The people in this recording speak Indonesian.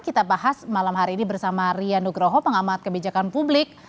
kita bahas malam hari ini bersama rian nugroho pengamat kebijakan publik